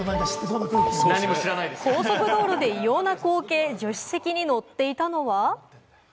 高速道路で異様な光景、助手席に乗っていたのは。